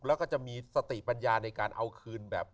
แล้วมีสติปัญญาที่จะเอาคืน